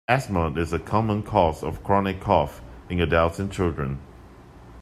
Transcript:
Asthma is a common cause of chronic cough in adults and children.